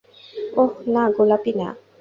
ওহ, না, গোলাপী না।